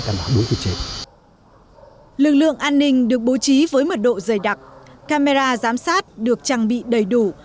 lực lượng an ninh được bố trí với mật độ dày đặc camera giám sát được trang bị đầy đủ